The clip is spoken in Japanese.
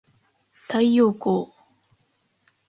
太陽光